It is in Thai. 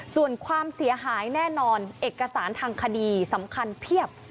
ส่วนความเสียหายแน่นอนเอกสารทางคดีสำคัญเพียบ